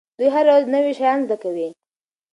دوی هره ورځ نوي شیان زده کوي.